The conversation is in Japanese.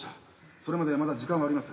それまでまだ時間はあります。